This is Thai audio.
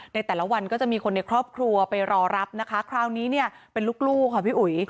ในแต่ละวันก็จะมีคนในครอบครัวไปรอรับนะคะคราวนี้เนี่ยเป็นลูกค่ะพี่อุ๋ย